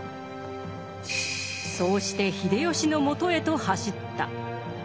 そうして秀吉の元へと走った。